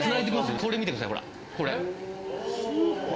これ見てください。